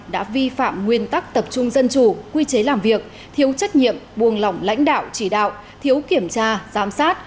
đã vi phạm nguyên tắc tập trung dân chủ quy chế làm việc thiếu trách nhiệm buồng lỏng lãnh đạo chỉ đạo thiếu kiểm tra giám sát